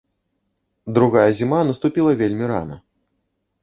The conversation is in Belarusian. Другая зіма наступіла вельмі рана.